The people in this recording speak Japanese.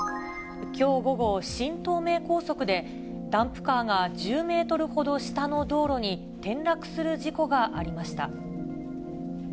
きょう午後、新東名高速でダンプカーが１０メートルほど下の道路に転落する事故がありました。